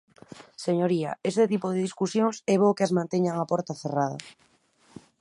Señoría, este tipo de discusións é bo que as manteñan a porta cerrada.